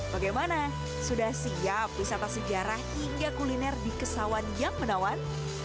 bagaimana sudah siap wisata sejarah hingga kuliner di kesawan yang menawan